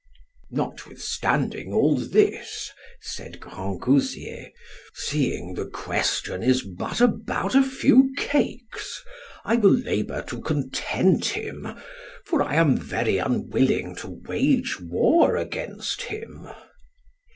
Notwithstanding all this, said Grangousier, seeing the question is but about a few cakes, I will labour to content him; for I am very unwilling to wage war against him.